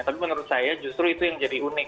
tapi menurut saya justru itu yang jadi unik